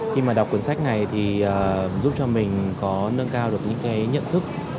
khi mà đọc cuốn sách này thì giúp cho mình có nâng cao được những cái nhận thức